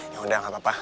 ya udah gak apa apa